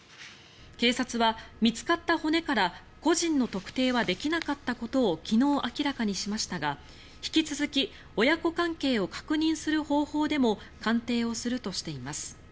警察は見つかった骨から個人の特定はできなかったことを昨日、明らかにしましたが引き続き親子関係を確認する方法でも鑑定をするとしています。